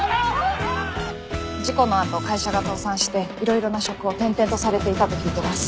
事故のあと会社が倒産していろいろな職を転々とされていたと聞いています。